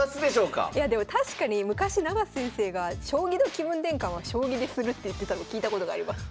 いやでも確かに昔永瀬先生が「将棋の気分転換は将棋でする」って言ってたの聞いたことがあります。